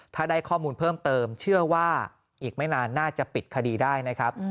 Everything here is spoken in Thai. ถ้าได้ข้อมูลเพิ่มเติมเชื่อว่าอีกไม่นานน่าจะปิดคดีได้นะครับ